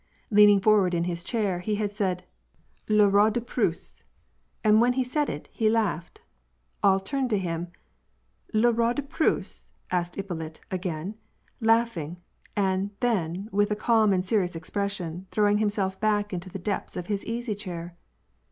Leaning forward in his chair, he had said :" Le roi de Pnisst,''^ and when he said it, he laughed. All turned to him. " Le roi de Pnisse ?" asked Ippolit again, laughing, and then with a calm and serious expression throwing himself « back into the depths of his easy chair.